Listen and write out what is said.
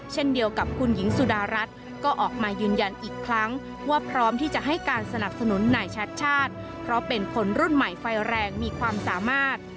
เช่นเดียวกับคุณหญิงสุดารัฐก็ออกมายืนยันอีกครั้งว่าพร้อมที่จะให้การสนับสนุนนายชัดชาติเพราะเป็นคนรุ่นใหม่ไฟแรงมีความสามารถ